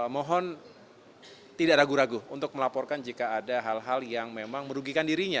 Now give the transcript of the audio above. mohon tidak ragu ragu untuk melaporkan jika ada hal hal yang memang merugikan dirinya